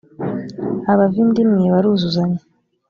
abavindimwe baruzuzanya.